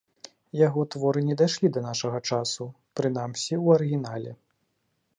Яго творы не дайшлі да нашага часу, прынамсі, у арыгінале.